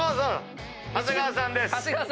長谷川さんです。